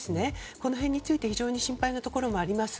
この辺について非常に心配なところもあります。